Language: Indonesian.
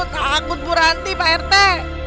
takut takut berhenti pak rete